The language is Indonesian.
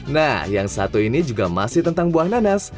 nah yang satu ini juga masih tentang buah nanas